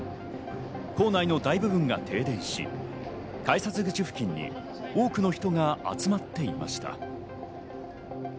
構内の大部分が停電し、改札口付近に多くの人が集まっていました。